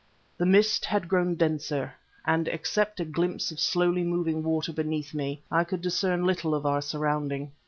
The mist had grown denser, and except a glimpse of slowly moving water beneath me, I could discern little of our surrounding.